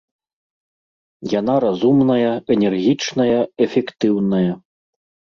Яна разумная, энергічная, эфектыўная.